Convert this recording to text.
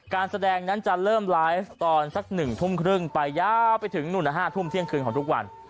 การแสดงนั้นจะเริ่มไลฟ์ตอนสัก๑ทุ่มครึ่งไปยาวไปถึงนู่น๕ทุ่มเที่ยงคืนของทุกวัน